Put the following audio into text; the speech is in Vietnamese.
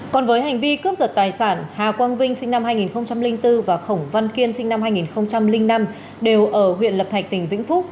còn với hành vi cướp giật tài sản hà quang vinh sinh năm hai nghìn bốn và khổng văn kiên sinh năm hai nghìn năm đều ở huyện lập thạch tỉnh vĩnh phúc